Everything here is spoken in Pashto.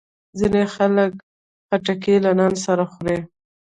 ځینې خلک خټکی له نان سره خوري.